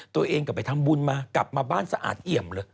ตัวเองก็ไปทำบุญมากลับมาบ้านสะอาดเอี่ยมเลย